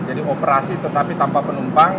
jadi operasi tetapi tanpa penumpang